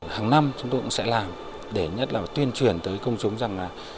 hàng năm chúng tôi cũng sẽ làm để nhất là tuyên truyền tới công chúng rằng là